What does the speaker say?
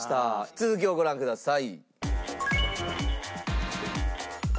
続きをご覧ください。